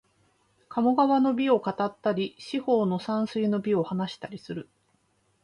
鴨川の美を語ったり、四方の山水の美を話したりする